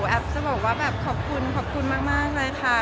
แอฟจะบอกว่าแบบขอบคุณขอบคุณมากเลยค่ะ